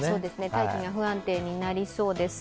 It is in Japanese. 大気が不安定になりそうです。